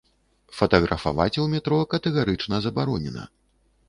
Фатаграфаваць у метро катэгарычна забаронена.